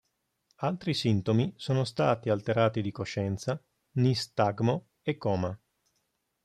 Altri sintomi sono stati alterati di coscienza, nistagmo e coma.